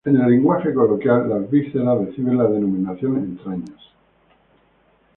En el lenguaje coloquial las vísceras reciben la denominación entrañas.